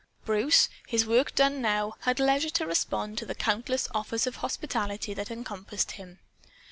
Bruce, his work done now, had leisure to respond to the countless offers of hospitality that encompassed him.